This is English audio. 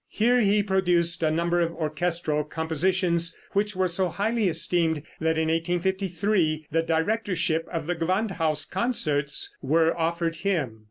Here he produced a number of orchestral compositions which were so highly esteemed that in 1853 the directorship of the Gewandhaus concerts was offered him.